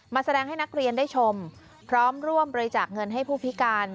แสดงให้นักเรียนได้ชมพร้อมร่วมบริจาคเงินให้ผู้พิการ